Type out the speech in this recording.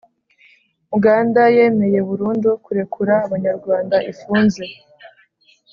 Uganda yemeye burundu kurekura abanyarwanda ifunze